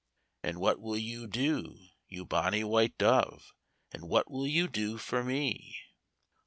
'And what will you do, you bonny white dove? And what will you do for me?'